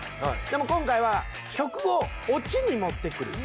でも今回は曲をオチに持って来る。